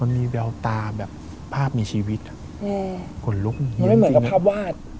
มีแววตาแบบภาพมีชีวิตอ่ะอืมขนลุกมันไม่เหมือนกับภาพวาด